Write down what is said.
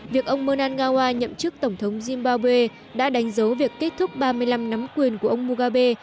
việc ông menangawa nhậm chức tổng thống zimbabwe đã đánh dấu việc kết thúc ba mươi năm năm quyền của ông mugabe